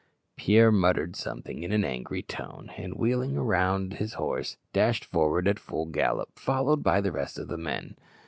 Pierre muttered something in an angry tone, and wheeling round his horse, dashed forward at full gallop, followed by the rest of the men.